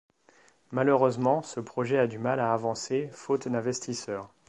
Malheureusement, ce projet a du mal à avancer, faute d'investisseurs.